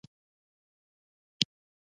مصنوعي ځیرکتیا د تجربې ارزښت زیاتوي.